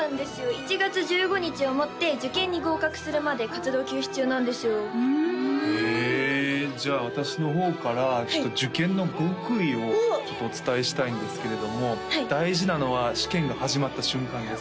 １月１５日をもって受験に合格するまで活動休止中なんですよへえじゃあ私の方からちょっと受験の極意をお伝えしたいんですけれども大事なのは試験が始まった瞬間です